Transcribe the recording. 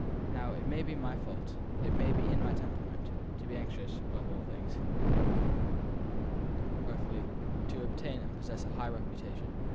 Now, it may be my fault, it may be in my temperament, to be anxious, above all things earthly, to obtain and possess a high reputation.